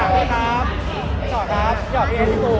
พี่ดอยครับ